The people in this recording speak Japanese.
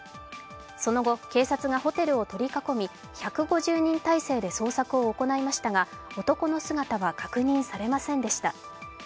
その後警察がホテルを取り囲み１５０人態勢で捜索を行いましたが男の姿は確認されませんでした。